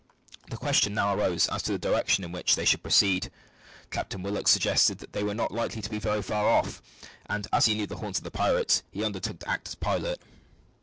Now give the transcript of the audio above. The question now arose as to the direction in which they should proceed. Captain Willock suggested that they were not likely to be very far off, and, as he knew the haunts of the pirates, he undertook to act as pilot.